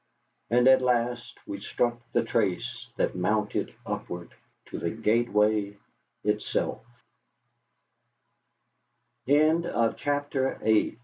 And at last we struck the trace that mounted upward to the Gateway itself. CHAPTER IX.